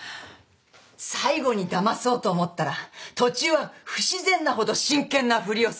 最後にだまそうと思ったら途中は不自然なほど真剣なふりをする。